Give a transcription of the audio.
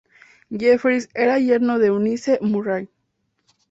Jeffries era yerno de Eunice Murray.